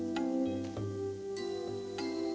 janganlah kau berguna